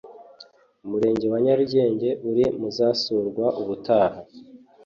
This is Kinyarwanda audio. Umurenge wa Nyarugenge uri muzasurwa ubutaha